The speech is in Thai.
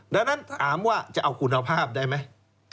ดังนั้นถามว่าจะเอาคุณภาพได้ไหม